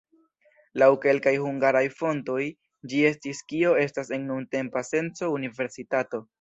Laŭ kelkaj hungaraj fontoj ĝi estis kio estas en nuntempa senco universitato.